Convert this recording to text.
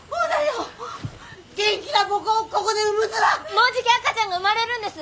もうじき赤ちゃんが生まれるんです！